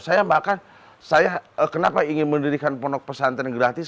saya bahkan saya kenapa ingin mendirikan pondok pesantren gratis